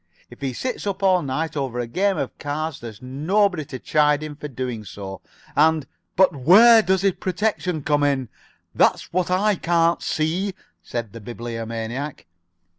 If he sits up all night over a game of cards, there's nobody to chide him for doing so, and " "But where does his protection come in? That's what I can't see," said the Bibliomaniac.